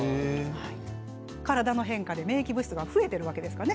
体の変化で免疫物質が増えているんですね